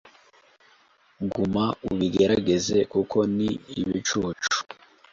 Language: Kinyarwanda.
Guma ubigeragaze kuko ni ibicucu